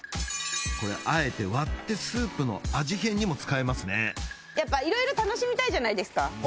これあえて割ってスープの味変にも使えますねやっぱいろいろ楽しみたいじゃないですか